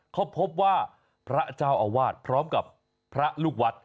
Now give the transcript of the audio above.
เขาพบว่าพระเจ้าอาวาสพร้อมกับพระลูกวัด